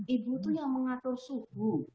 ibu itu yang mengatur subuh